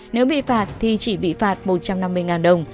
nếu bị phạt thì chỉ bị phạt một trăm năm mươi đồng